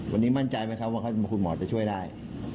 วันนี้มั่นใจไหมครับว่าคุณหมอจะช่วยได้